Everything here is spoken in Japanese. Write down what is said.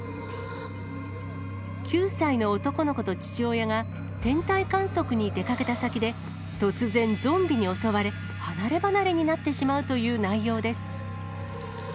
９歳の男の子と父親が、天体観測に出かけた先で、突然、ゾンビに襲われ、離れ離れになってしまうという内容です。